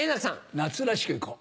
夏らしく行こう。